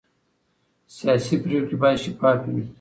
سیاسي پرېکړې باید شفافې وي